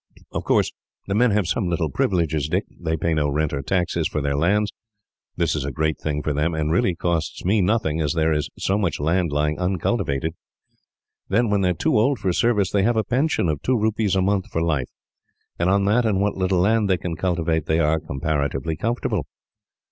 "Of course, the men have some little privileges, Dick. They pay no rent or taxes for their lands. This is a great thing for them, and really costs me nothing, as there is so much land lying uncultivated. Then, when too old for service, they have a pension of two rupees a month for life, and on that, and what little land they can cultivate, they are comparatively comfortable."